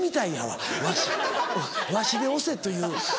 「わし」で押せという。